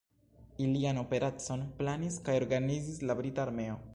Ilian operacon planis kaj organizis la brita armeo.